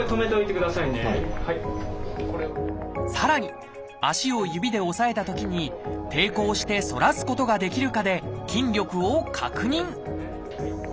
さらに足を指で押さえたときに抵抗して反らすことができるかで筋力を確認